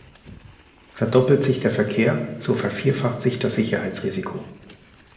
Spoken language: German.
Verdoppelt sich der Verkehr, so vervierfacht sich das Sicherheitsrisiko.